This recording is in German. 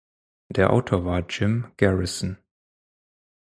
Der Autor war Jim Garrison.